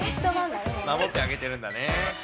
守ってあげてるんだね。